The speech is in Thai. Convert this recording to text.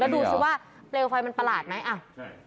ดูสิว่าเปลวไฟมันประหลาดไหม